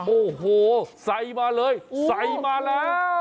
โอ้โหใส่มาเลยใส่มาแล้ว